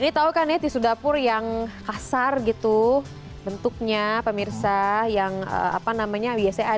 ini tahu kan ya tisu dapur yang kasar gitu bentuknya pemirsa yang apa namanya biasanya ada